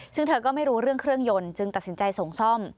ซึ่งเธอก็ไม่รู้เรื่องเครื่องยนต์จึงตัดสินใจส่งซ่อม